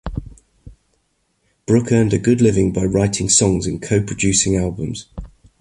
Brook earned a good living by writing songs and co-producing albums.